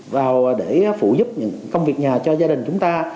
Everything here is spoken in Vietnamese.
vào để phụ giúp những công việc nhà cho gia đình chúng ta